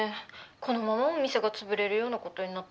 このままお店が潰れるようなことになったら。